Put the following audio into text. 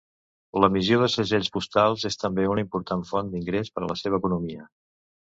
L'emissió de segells postals és també una important font d'ingrés per a la seva economia.